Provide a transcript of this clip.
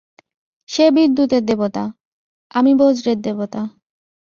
সে বিদ্যুতের দেবতা, আাম বজ্রের দেবতা।